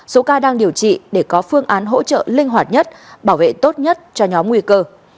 số ca đang điều trị để có phương án hỗ trợ linh hoạt nhất bảo vệ tốt nhất cho nhóm nguy cơ